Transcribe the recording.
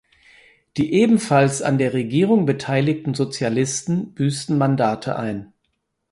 Die ebenfalls an der Regierung beteiligten Sozialisten büßten Mandate ein.